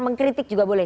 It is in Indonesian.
mengkritik juga boleh